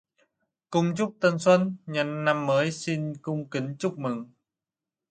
Cung chúc tân xuân: nhân năm mới, xin cung kính chúc mừng